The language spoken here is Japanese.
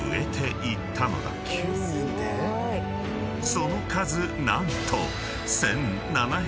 ［その数何と］